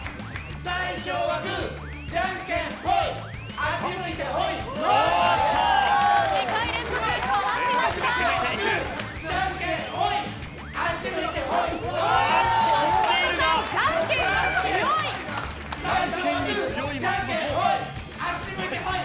最初はグーじゃんけんホイあっち向いてホイ。